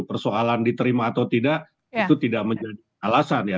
persoalan diterima atau tidak itu tidak menjadi alasan ya